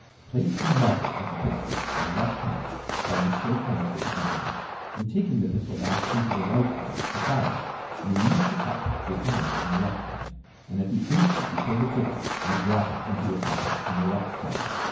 Place the "muzzle" of the pistol in the left hand while you shake hands with the gentleman. In taking the pistol back into the right hand to fire it, you leave the cup behind in the left hand, and at the instant you pull the trigger, you drop it into your pocket on the left side.